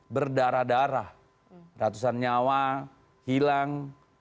berdarah darah ratusan nyawa hilang